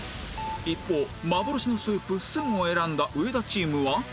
一方幻のスープを選んだ上田チームは？